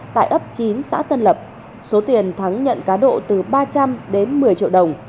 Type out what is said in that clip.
tại ấp chín xã tân lập số tiền thắng nhận cá độ từ ba trăm linh đến một mươi triệu đồng